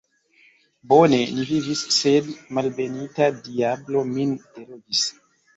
Bone ni vivis, sed malbenita diablo min delogis!